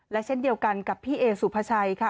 และเช่นเดียวกันกับพี่เอสุภาชัยค่ะ